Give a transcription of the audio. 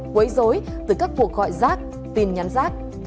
quấy dối từ các cuộc gọi rác tin nhắn rác